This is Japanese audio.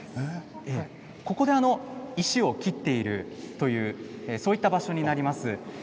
ここで石を切っているというそういった場所になります。